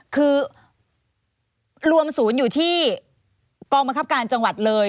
คือรวมศูนย์อยู่ที่กองบังคับการจังหวัดเลย